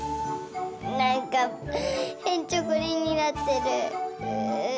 なんかへんちょこりんになってる。